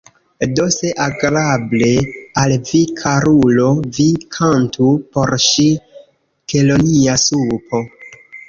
Do, se agrable al vi, karulo, vi kantu por ŝi 'Kelonia Supo’.